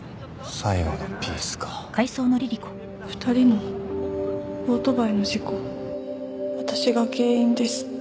最後のピースか２人のオートバイの事故私が原因です